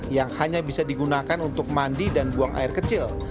yang hanya bisa digunakan untuk mandi dan buang air kecil